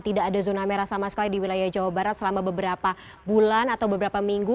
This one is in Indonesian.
tidak ada zona merah sama sekali di wilayah jawa barat selama beberapa bulan atau beberapa minggu